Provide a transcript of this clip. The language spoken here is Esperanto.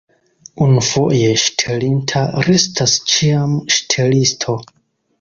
Unufoje ŝtelinta restas ĉiam ŝtelisto.